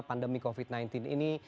pandemi covid sembilan belas ini